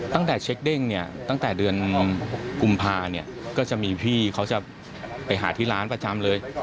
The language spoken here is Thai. ตั้งแต่เช็คเด้งเนี่ยตั้งแต่เดือนกุมภาเนี่ยก็จะมีพี่เขาจะไปหาที่ร้านประจำเลย